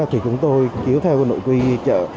thì chúng tôi chiếu theo nội quy chở